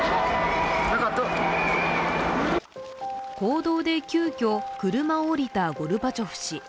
公道で急きょ、車を降りたゴルバチョフ氏。